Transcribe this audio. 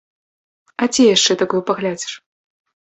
А дзе яшчэ такое паглядзіш?